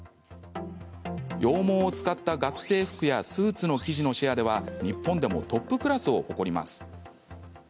羊毛を使った学生服やスーツの生地のシェアでは日本でもトップクラスを誇ります。